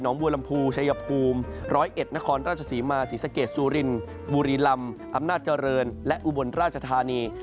บัวลำพูชายภูมิ๑๐๑นครราชศรีมาศรีสะเกดสุรินบุรีลำอำนาจเจริญและอุบลราชธานี